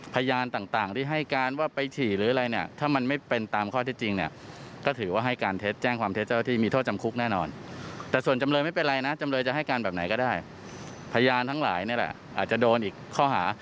พยานทั้งหลายนี่แหละอาจจะโดนอีกข้อหา